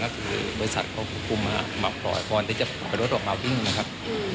ก็คือบริษัทควบคุมมาปล่อยก่อนที่จะปล่อยรถออกมาวิ่งนะครับ